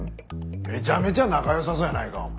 めちゃめちゃ仲良さそうやないかお前。